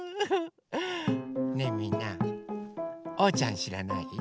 ねえみんなおうちゃんしらない？